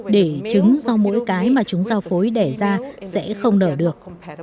để chứng do mỗi cái mà chúng giao phối đẻ ra sẽ không nở được